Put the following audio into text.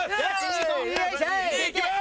２いきます！